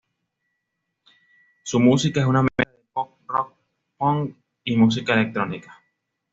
Su música es una mezcla de pop, rock, punk y mucha electrónica.